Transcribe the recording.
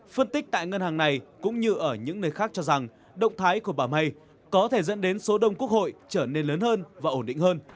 phân tích tại ngân hàng này cũng như ở những nơi khác cho rằng động thái của bà may có thể dẫn đến số đông quốc hội trở nên lớn hơn và ổn định hơn